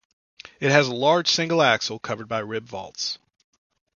It has a large single aisle covered by ribbed vaults.